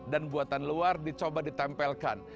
dan buatan luar dicoba ditempelkan